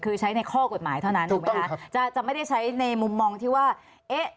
คือใช้ในข้อกฎหมายเท่านั้นถูกไหมคะจะจะไม่ได้ใช้ในมุมมองที่ว่าเอ๊ะ